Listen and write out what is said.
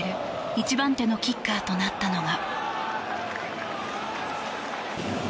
１番手のキッカーとなったのが。